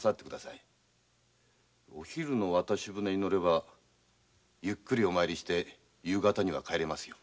お昼の渡し舟に乗ればゆっくりお参りして夕方には帰れますよ。